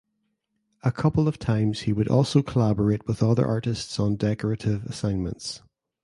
A couple of times he would also collaborate with other artists on decorative assignments.